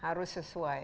harus sesuai ya